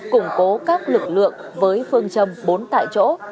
củng cố các lực lượng với phương châm bốn tại chỗ